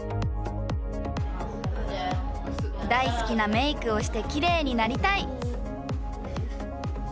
大好きなメイクをしてきれいになりたい！